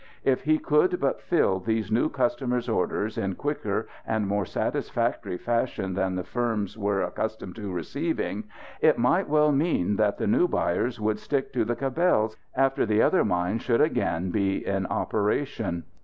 If he could but fill these new customers' orders in quicker and more satisfactory fashion than the firms were accustomed to receiving, it might well mean that the new buyers would stick to the Cabells, after the other mines should again be in operation.